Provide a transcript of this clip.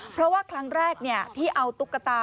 เพราะว่าครั้งแรกที่เอาตุ๊กตา